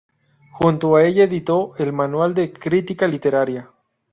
Junto a ella editó el manual de "Crítica literaria".